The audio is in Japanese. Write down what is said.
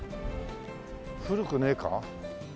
古くねえか？